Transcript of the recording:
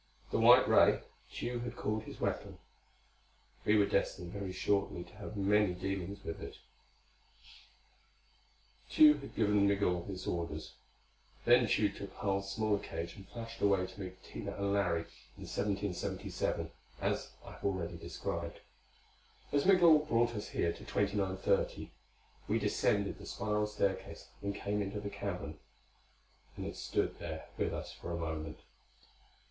The white ray, Tugh had called his weapon. We were destined very shortly to have many dealings with it. Tugh had given Migul its orders. Then Tugh took Harl's smaller cage and flashed away to meet Tina and Larry in 1777, as I have already described. And Migul brought us here to 2930. As we descended the spiral staircase and came into the cavern, it stood with us for a moment.